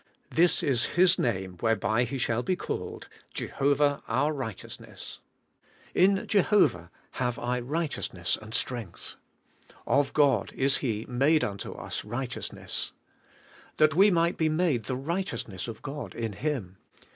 'This is His name whereby He shall be called, Jehovah our righteousiii^ess. ' *Ik Jehovah have I righteousness and strength.' 68 ABIDE IN CHRIST: 'Of God is He made unto ns righteousness.' 'That we might be made the righteousness of God in Him.'